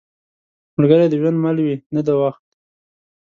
ملګری د ژوند مل وي، نه د وخت.